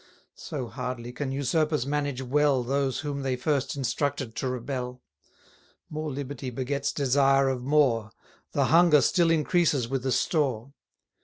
So hardly can usurpers manage well 517 Those whom they first instructed to rebel. More liberty begets desire of more; The hunger still increases with the store.